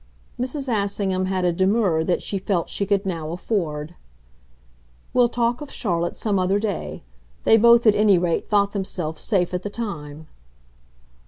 Mrs. Assingham had a demur that she felt she could now afford. "We'll talk of Charlotte some other day. They both, at any rate, thought themselves safe at the time."